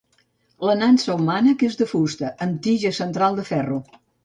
La nansa o mànec és de fusta, amb tija central de ferro.